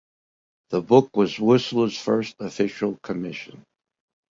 The book was Whistler's first official commission.